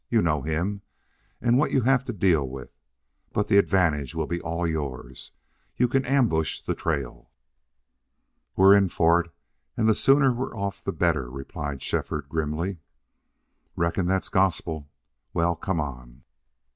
You know him what you'll have to deal with. But the advantage will all be yours. You can ambush the trail." "We're in for it. And the sooner we're off the better," replied Shefford, grimly. "Reckon that's gospel. Well come on!"